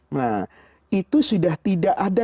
nah itu sudah tidak ada